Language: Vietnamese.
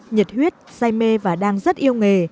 nhật huyết say mê và đang rất yêu nghề